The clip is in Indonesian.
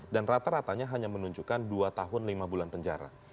dan rata ratanya hanya menunjukkan dua tahun lima bulan penjara